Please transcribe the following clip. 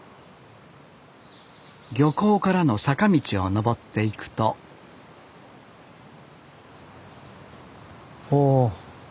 漁港からの坂道を上っていくとほお。